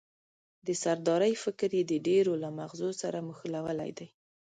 د سردارۍ فکر یې د ډېرو له مغزو سره مښلولی دی.